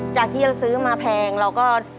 จากที่เราซื้อมาแพงเราก็